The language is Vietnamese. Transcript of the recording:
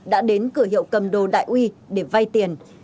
đã đến cửa hiệu cầm đồ đại uy để vay tiền